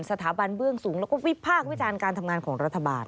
สถาบันเบื้องสูงแล้วก็วิพากษ์วิจารณ์การทำงานของรัฐบาล